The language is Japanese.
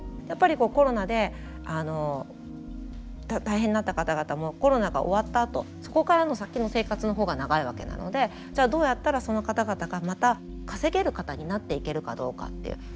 やっぱりコロナで大変になった方々もコロナが終わったあとそこからの先の生活の方が長いわけなのでじゃあどうやったらその方々がまた稼げる方になっていけるかどうかっていう。